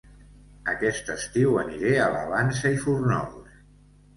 Aquest estiu aniré a La Vansa i Fórnols